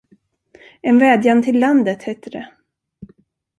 En vädjan till landet, hette det.